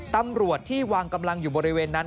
ตำรวจที่วางกำลังอยู่บริเวณนั้น